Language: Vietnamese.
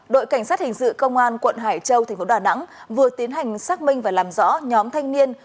đội cảnh sát hình sự công an quận hải châu tp đà nẵng vừa tiến hành xác minh và làm rõ nhóm thanh niên